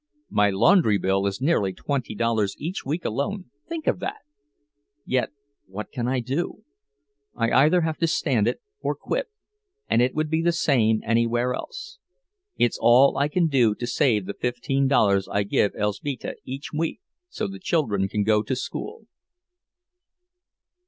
My laundry bill is nearly twenty dollars each week alone—think of that! Yet what can I do? I either have to stand it or quit, and it would be the same anywhere else. It's all I can do to save the fifteen dollars I give Elzbieta each week, so the children can go to school."